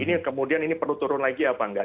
ini kemudian ini perlu turun lagi apa enggak